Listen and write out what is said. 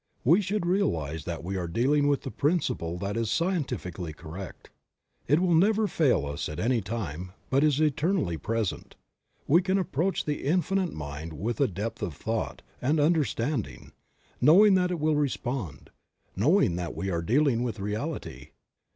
We should realize that we are dealing with the principle that is scientifically correct. It will never fail us at any time but is eternally present. We can approach the Infinite Mind with a depth of thought and understanding, knowing that it will respond, knowing that we are dealing with reality.